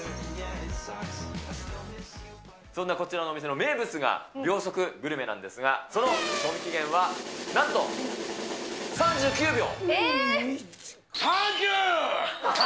そんなこちらのお店の名物が楽しめる秒速グルメなんですが、その賞味期限は、なんと３９秒。